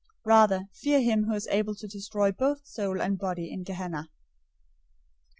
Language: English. Rather, fear him who is able to destroy both soul and body in Gehenna.